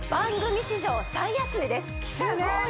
すごい！